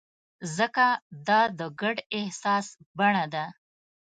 ځکه دا د ګډ احساس بڼه ده.